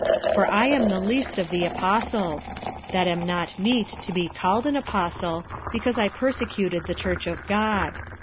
46:015:009 For I am the least of the apostles, that am not meet to be called an apostle, because I persecuted the church of God.